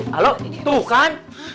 halo tuh kan